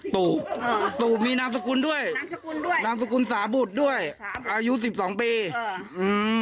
ตูบตูบมีนามสกุลด้วยนามสกุลสาบุตรด้วยอายุสิบสองปี